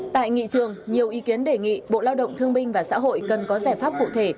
tại nghị trường nhiều ý kiến đề nghị bộ lao động thương binh và xã hội cần có giải pháp cụ thể